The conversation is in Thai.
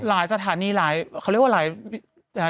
สถานีหลายเขาเรียกว่าหลายนะฮะ